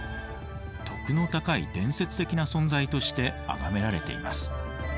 徳の高い伝説的な存在としてあがめられています。